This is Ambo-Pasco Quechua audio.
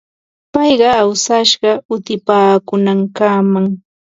Paykuna awsashqa utipaakuunankamam.